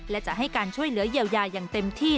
และจะให้การช่วยเหลือเยียวยาอย่างเต็มที่